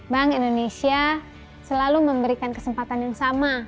bank indonesia selalu memberikan kesempatan yang sama